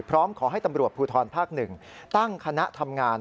พร้อมขอให้ตำรวจภูทรภาค๑ตั้งคณะทำงาน